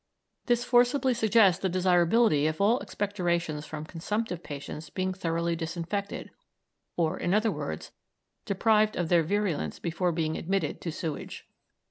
This forcibly suggests the desirability of all expectorations from consumptive patients being thoroughly disinfected, or, in other words, deprived of their virulence before being admitted to sewage.